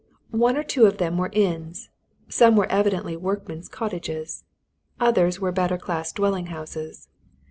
One or two of them were inns; some were evidently workmen's cottages; others were better class dwelling houses.